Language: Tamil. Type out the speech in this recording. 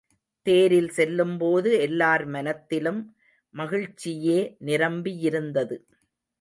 தேரில் செல்லும்போது எல்லார் மனத்திலும் மகிழ்ச்சியே நிரம்பியிருந்தது.